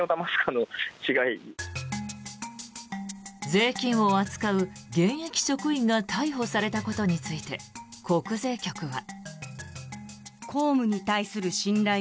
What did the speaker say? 税金を扱う現役職員が逮捕されたことについて国税局は。